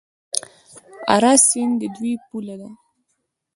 اراس سیند د دوی پوله ده.